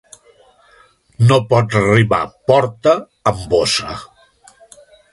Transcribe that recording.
No pots rimar "porta" amb "bossa".